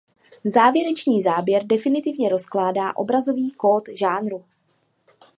Závěrečný záběr definitivně rozkládá obrazový kód žánru.